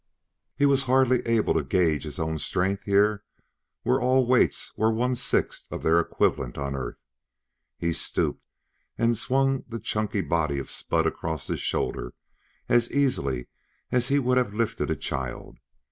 He was hardly able to gage his own strength here where all weights were one sixth of their equivalent on Earth. He stooped and swung the chunky body of Spud across his shoulder as easily as he would have lifted a child.